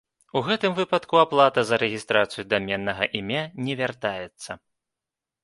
У гэтым выпадку аплата за рэгістрацыю даменнага імя не вяртаецца.